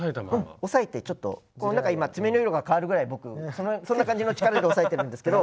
押さえてちょっとなんか今爪の色が変わるぐらい僕そんな感じの力で押さえてるんですけど。